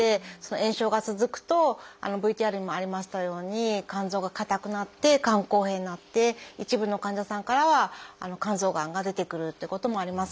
炎症が続くとＶＴＲにもありましたように肝臓が硬くなって肝硬変になって一部の患者さんからは肝臓がんが出てくるっていうこともあります。